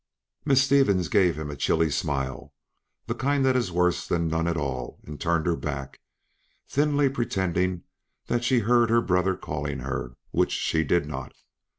Miss Stevens gave him a chilly smile, the kind that is worse than none at all and turned her back, thinly pretending that she heard her brother calling her, which she did not.